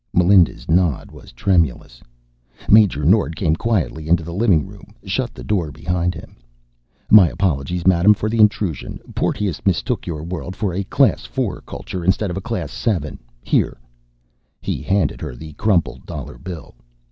Melinda's nod was tremulous. Major Nord came quietly into the living room, shut the door behind him. "My apologies, madam, for the intrusion. Porteous mistook your world for a Class IV culture, instead of a Class VII. Here " He handed her the crumpled dollar bill.